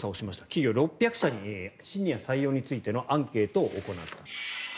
企業６００社にシニア採用についてのアンケートを行った。